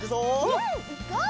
うんいこう！